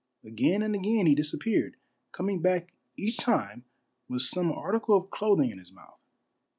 Again and again he disappeared, coming back each time with some article of clothing in his mouth.